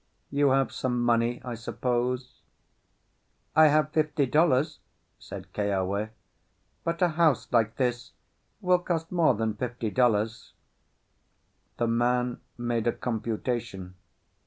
You have some money, I suppose?" "I have fifty dollars," said Keawe; "but a house like this will cost more than fifty dollars." The man made a computation.